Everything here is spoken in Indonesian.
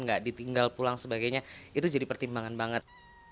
nggak ditinggal pulang sebagainya itu jadi pertimbangan banget